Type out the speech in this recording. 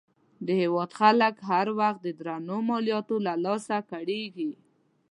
د هېواد خلک هر وخت د درنو مالیاتو له لاسه کړېږي.